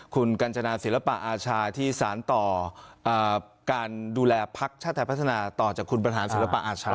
คุณกัญจนาศิลปะอาชาที่สารต่อการดูแลภักดิ์ชาติไทยพัฒนาต่อจากคุณบรรหารศิลปะอาชา